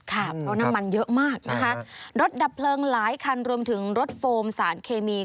ค่ะเพราะน้ำมันเยอะมากนะคะรถดับเพลิงหลายคันรวมถึงรถโฟมสารเคมี